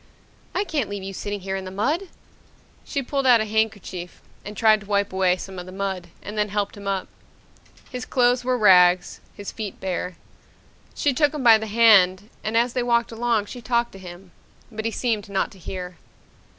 "I can't leave you sitting here in the mud!" She pulled out a handkerchief and tried to wipe away some of the mud and then helped him up. His clothes were rags, his feet bare. She took him by the hand and as they walked along she talked to him. But he seemed not to hear.